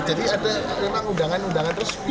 jadi ada memang undangan undangan resmi